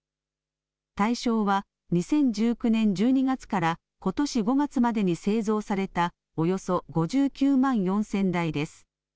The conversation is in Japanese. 対象は、２０１９年１２月からことし５月までに製造された、およそ５９万４０００台です。